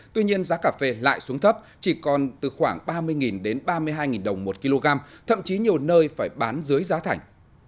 tuy nhiên giá cà phê lại xuống thấp chỉ còn từ khoảng ba mươi đến ba mươi hai đồng một kg thậm chí nhiều nơi phải bán dưới giá thành